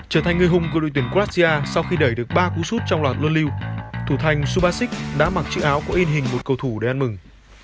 trở thành người hùng của đội tuyển kratia sau khi đẩy được ba cú sút trong loạt luân lưu thủ thành subasik đã mặc chiếc áo có in hình một cầu thủ đen mừng